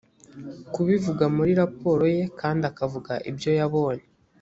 kubivuga muri raporo ye kandi akavuga ibyo yabonye